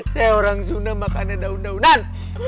saya orang sunda makannya daun daunan